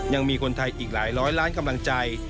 ยังมีคนไทยอีกหลายร้อยล้านกำลังใจ